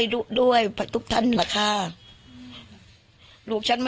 สงสันหนูเนี่ยว่าสงสันหนูเนี่ยมีกระทิแววออกได้จังไหน